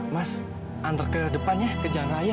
mas antar ke depannya ke jalan raya